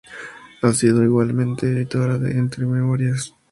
Ha sido igualmente editora de "Entre memorias.